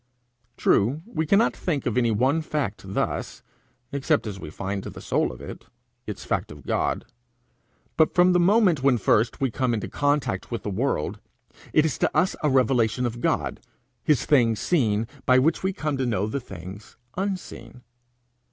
True, we cannot think of any one fact thus, except as we find the soul of it its fact of God; but from the moment when first we come into contact with the world, it is to us a revelation of God, his things seen, by which we come to know the things unseen.